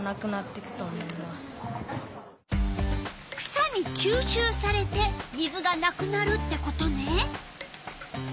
草にきゅうしゅうされて水がなくなるってことね。